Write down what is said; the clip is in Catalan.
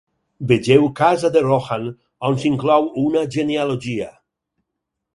Vegeu Casa de Rohan on s'inclou una genealogia.